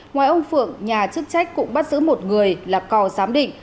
ngoài ông phượng nhà chức trách cũng bắt giữ một người là cò giám định